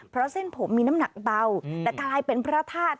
เพราะเส้นผมมีน้ำหนักเบาแต่กลายเป็นพระธาตุ